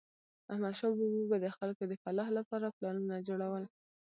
احمدشاه بابا به د خلکو د فلاح لپاره پلانونه جوړول.